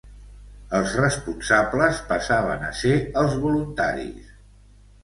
Els responsables passaven a ser els voluntaris.